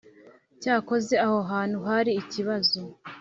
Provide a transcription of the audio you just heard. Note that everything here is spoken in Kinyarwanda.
cyokoze aho hantu hari ikibazo